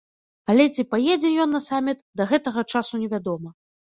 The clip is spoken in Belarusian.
Але, ці паедзе ён на саміт, да гэтага часу не вядома.